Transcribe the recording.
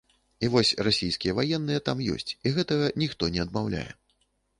А вось расійскія ваенныя там ёсць і гэтага ніхто не адмаўляе.